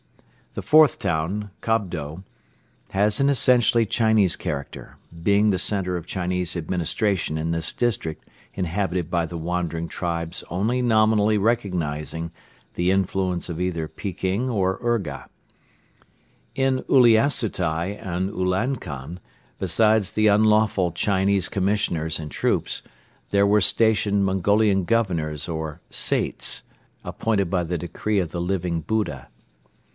The fourth town, Kobdo, has an essentially Chinese character, being the center of Chinese administration in this district inhabited by the wandering tribes only nominally recognizing the influence of either Peking or Urga. In Uliassutai and Ulankom, besides the unlawful Chinese commissioners and troops, there were stationed Mongolian governors or "Saits," appointed by the decree of the Living Buddha.